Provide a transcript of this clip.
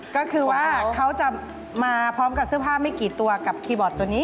ก็คือว่าเขาจะมาพร้อมกับเสื้อผ้าไม่กี่ตัวกับคีย์บอร์ดตัวนี้